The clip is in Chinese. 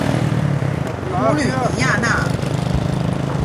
普吕尼亚讷。